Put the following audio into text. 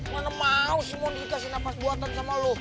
mana mau sih mondi kasih napas buatan sama lo